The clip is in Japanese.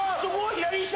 左下？